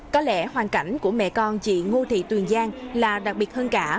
có lẽ hoàn cảnh của mẹ con chị ngô thị tuyền giang là đặc biệt hơn cả